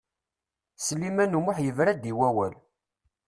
Sliman U Muḥ yebra-d i wawal.